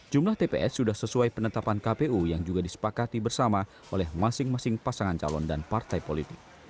jumlah tps sudah sesuai penetapan kpu yang juga disepakati bersama oleh masing masing pasangan calon dan partai politik